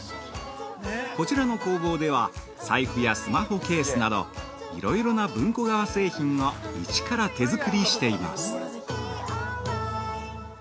こちらの工房では、財布やスマホケースなどいろいろな文庫革製品をイチから手作りしています。